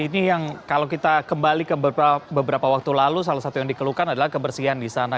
ini yang kalau kita kembali ke beberapa waktu lalu salah satu yang dikeluhkan adalah kebersihan di sana